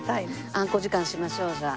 あんこ時間しましょうじゃあ。